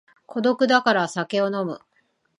孤独だから酒を飲む